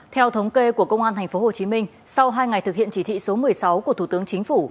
theo thống kê của công an tp hcm sau hai ngày thực hiện chỉ thị số một mươi sáu của thủ tướng chính phủ